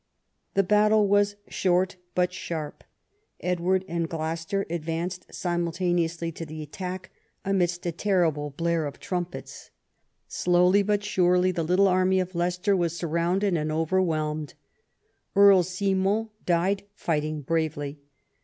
The battle was short but sharp. Edward and Gloucester advanced simultaneously to the attack amidst a terrible blare of trumpets. Slowly but surely the little army of Leicester was surrounded and overwhelmed. Earl Simon died fighting bravely.